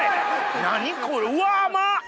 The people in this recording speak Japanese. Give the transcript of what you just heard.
何これうわ甘っ！